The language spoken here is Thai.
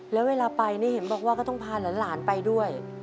แล้วเวลาไปนี่เห็นบอกว่าก็ต้องพาหลานไปด้วย